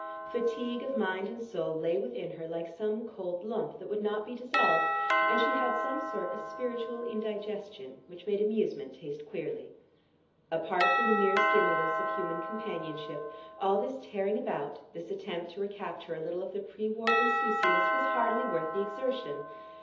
Fatigue of mind and soul lay within her like some cold lump that would not be dissolved and she had some sort of spiritual indigestion which made amusement taste queerly. Apart from the mere stimulus of human companionship, all this tearing about, this attempt to recapture a little of the pre war insouciance was hardly worth the exertion.